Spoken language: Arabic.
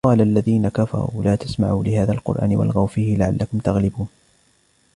وَقَالَ الَّذِينَ كَفَرُوا لَا تَسْمَعُوا لِهَذَا الْقُرْآنِ وَالْغَوْا فِيهِ لَعَلَّكُمْ تَغْلِبُونَ